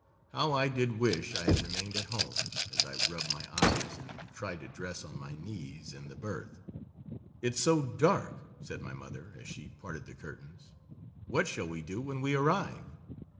How I did wish I had remained at home, as I rubbed my eyes and tried to dress on my knees in the berth. "It's so dark," said my mother, as she parted the curtains. "What shall we do when we arrive?"